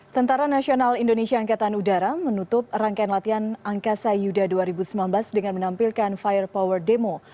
tentara nasional indonesia angkatan udara menutup rangkaian latihan angkasa yuda dua ribu sembilan belas dengan menampilkan fire power demo